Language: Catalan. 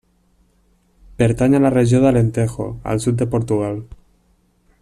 Pertany a la regió de l'Alentejo, al sud de Portugal.